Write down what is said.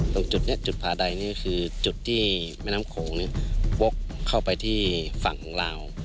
ตรงจุดเนี้ยจุดพาดัยนี่คือจุดที่แม่น้ำโขงเนี้ยบกเข้าไปที่ฝั่งลาว